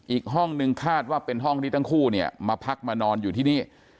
อีกห้องนึงคาดว่าเป็นห้องที่ทั้งคู่เนี่ยมาพักมานอนอยู่ที่นี่